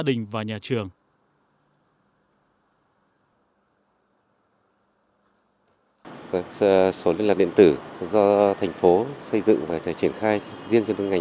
đình và nhà trường số liên lạc điện tử do thành phố xây dựng và trải triển khai riêng cho ngành